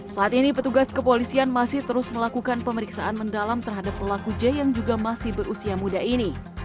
saat ini petugas kepolisian masih terus melakukan pemeriksaan mendalam terhadap pelaku j yang juga masih berusia muda ini